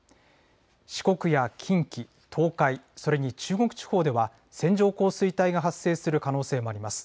四国や近畿、東海、それに中国地方では、線状降水帯が発生する可能性もあります。